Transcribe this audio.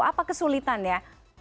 apa kesulitan ya